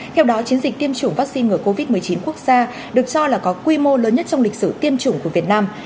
theo đó chiến dịch tiêm chủng vaccine ngừa covid một mươi chín quốc gia được cho là có quy mô lớn nhất trong lịch sử tiêm chủng của việt nam